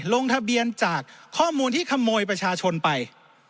ลงทะเบียนจากข้อมูลที่ขโมยประชาชนไป